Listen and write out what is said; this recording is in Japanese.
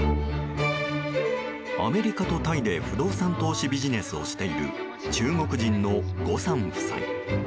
アメリカとタイで不動産投資ビジネスをしている中国人の、ゴさん夫妻。